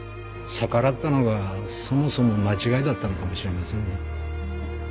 逆らったのがそもそも間違いだったのかもしれませんね